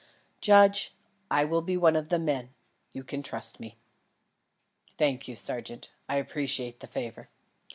"Judge, I will be one of the men. You can trust me." "Thank you, sergeant; I appreciate the favour.